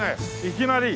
いきなり！